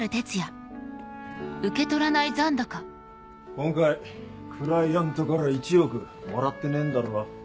今回クライアントから１億もらってねえんだろ？